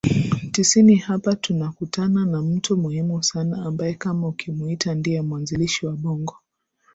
tisini Hapa tunakutana na mtu muhimu sana ambaye kama ukimuita ndiye mwanzilishi wa Bongo